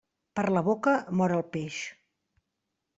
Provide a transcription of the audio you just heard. Per la boca mor el peix.